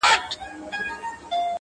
شپه که تياره ده، مڼې په شمار دي.